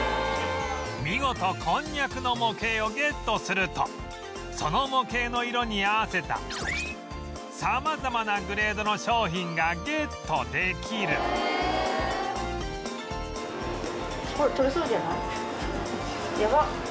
見事こんにゃくの模型をゲットするとその模型の色に合わせた様々なグレードの商品がゲットできるやばっ！